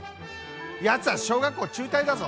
やつは小学校中退だぞ！